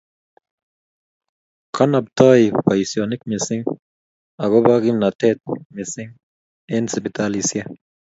Kalabtoi boishinik mising akoba kimnatet mising eng sipitalishek